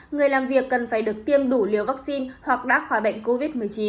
người làm việc cần phải được tiêm đủ liều vaccine hoặc đã khỏi bệnh covid một mươi chín